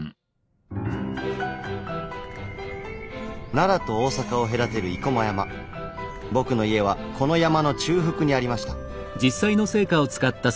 奈良と大阪を隔てる僕の家はこの山の中腹にありました。